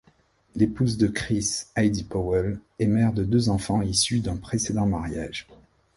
L'épouse de Chris, Heidi Powell, est mère de deux enfants issus d'un précédent mariage.